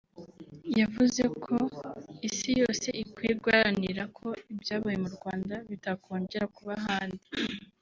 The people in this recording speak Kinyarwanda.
yavuze ko isi yose ikwiye guharanira ko ibyabaye mu Rwanda bitakongera kuba ahandi